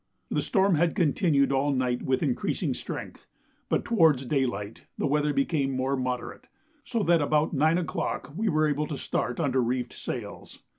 The storm had continued all night with increasing strength, but towards day light the weather became more moderate, so that about 9 o'clock we were able to start under reefed sails.